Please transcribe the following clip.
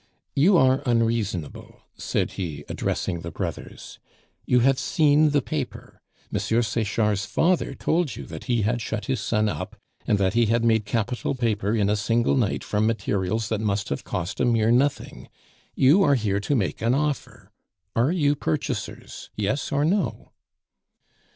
"You are unreasonable," said he, addressing the brothers. "You have seen the paper; M. Sechard's father told you that he had shut his son up, and that he had made capital paper in a single night from materials that must have cost a mere nothing. You are here to make an offer. Are you purchasers, yes or no?"